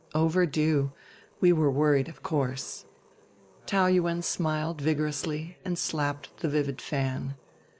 Overdue. We were worried, of course." Taou Yuen smiled vigorously and flapped the vivid fan.